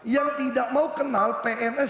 yang tidak mau kenal pns